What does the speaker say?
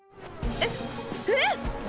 えっええっ！？